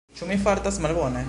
Ĉu mi fartas malbone?